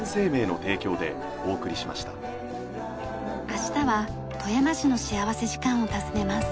明日は富山市の幸福時間を訪ねます。